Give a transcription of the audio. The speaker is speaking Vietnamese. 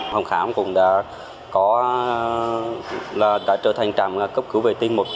phòng khám cũng đã trở thành trạm cấp cứu vệ tinh một trăm một mươi năm